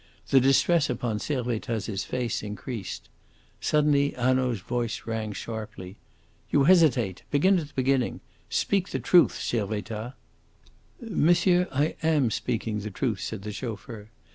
The distress upon Servettaz's face increased. Suddenly Hanaud's voice rang sharply. "You hesitate. Begin at the beginning. Speak the truth, Servettaz!" "Monsieur, I am speaking the truth," said the chauffeur.